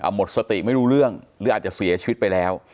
หมดสติไม่รู้เรื่องหรืออาจจะเสียชีวิตไปแล้ว